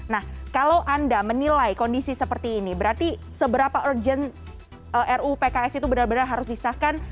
nah kalau anda menilai kondisi seperti ini berarti seberapa urgent ruu pks itu benar benar harus disahkan